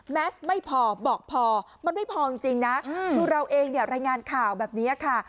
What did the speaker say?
แมสไม่พอบอกพอมันไม่พอจริงนะคือเราเองเนี่ยรายงานข่าวแบบนี้ค่ะ